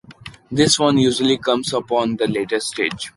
This one usually comes up on the later stage.